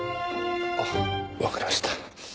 あわかりました。